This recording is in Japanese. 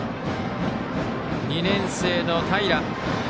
２年生の平。